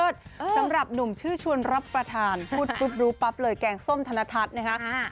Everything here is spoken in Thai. สำหรับหนุ่มชื่อชวนรับประทานพูดปุ๊บรู้ปั๊บเลยแกงส้มธนทัศน์นะคะ